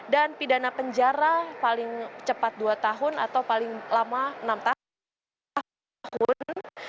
dan pidana penjara paling cepat dua tahun atau paling lama enam tahun